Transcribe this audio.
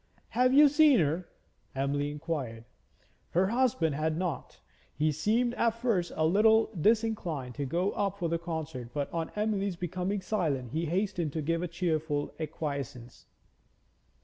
'Have you seen her?' Emily inquired. Her husband had not. He seemed at first a little disinclined to go up for the concert, but on Emily's becoming silent he hastened to give a cheerful acquiescence.